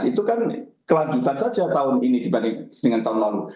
itu kan kelanjutan saja tahun ini dibanding dengan tahun lalu